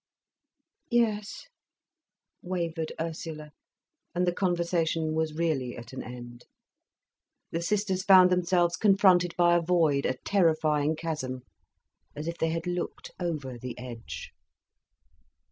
"Yes," wavered Ursula; and the conversation was really at an end. The sisters found themselves confronted by a void, a terrifying chasm, as if they had looked over the edge.